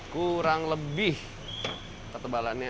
kurang lebih ketebalannya